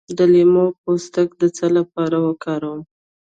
د لیمو پوستکی د څه لپاره وکاروم؟